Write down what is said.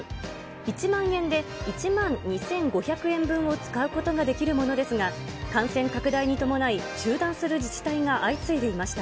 １万円で１万２５００円分を使うことができるものですが、感染拡大に伴い、中断する自治体が相次いでいました。